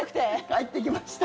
帰ってきました！